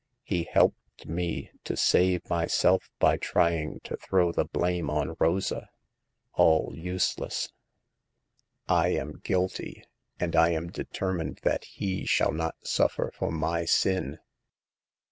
He helped me to save myself by trying to throw the blame on Rosa. All use less. I am guilty, and I am determined that he shall not suffer for my sin.